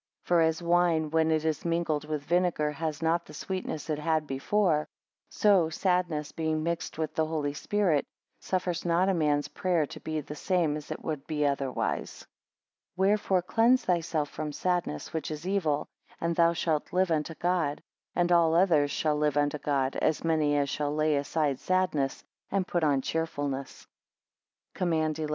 For as wine when it is mingled with vinegar, has not the sweetness it had before; so sadness being mixed with the Holy Spirit, suffers not a man's prayer to be the same as it would be otherwise. 23 Wherefore cleanse thyself from sadness, which is evil, and thou shalt live unto God. And all others shall live unto God, as many as shall lay aside sadness, and put on cheerfulness. COMMAND XI.